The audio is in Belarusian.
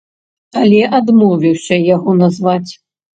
Але адмовіўся яго назваць.